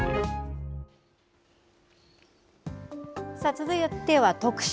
続いては特集。